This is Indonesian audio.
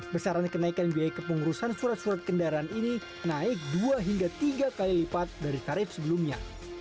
besaran kenaikan biaya kepengurusan surat surat kendaraan ini naik dua hingga tiga kali lipat dari tarif sebelumnya